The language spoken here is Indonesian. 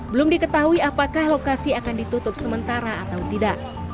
belum diketahui apakah lokasi akan ditutup sementara atau tidak